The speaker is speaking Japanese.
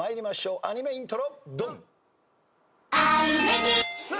アニメイントロ。